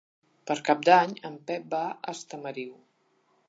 Per Cap d'Any en Pep va a Estamariu.